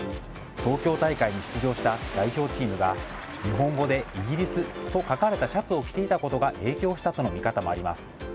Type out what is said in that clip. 東京大会に出場した代表チームが日本語でイギリスと書かれたシャツを着ていたことが影響したとの見方もあります。